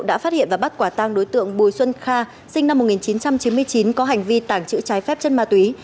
đã phát hiện và bắt quả tăng đối tượng bùi xuân kha sinh năm một nghìn chín trăm chín mươi chín có hành vi tàng trữ trái phép chất ma túy